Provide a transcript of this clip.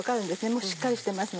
もうしっかりしてますので。